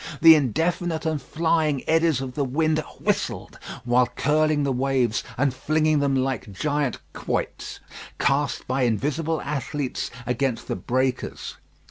The indefinite and flying eddies of the wind whistled, while curling the waves and flinging them like giant quoits, cast by invisible athletes, against the breakers.